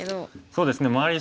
そうですね周り